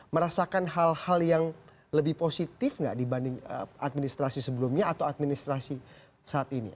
merasakan hal hal yang lebih positif nggak dibanding administrasi sebelumnya atau administrasi saat ini